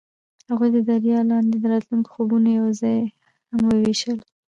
هغوی د دریا لاندې د راتلونکي خوبونه یوځای هم وویشل.